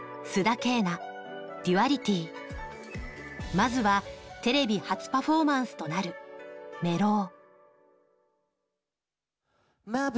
まずはテレビ初パフォーマンスとなる「メロウ」。